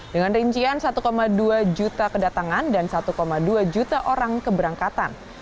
dengan rincian satu dua juta kedatangan dan satu dua juta orang keberangkatan